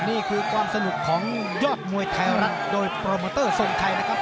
นี่คือความสนุกของยอดมวยไทยรัฐโดยโปรโมเตอร์ทรงไทยนะครับ